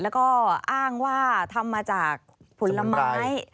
แล้วก็อ้างว่าทำมาจากผลไม้